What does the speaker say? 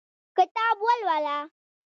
کتاب ولوله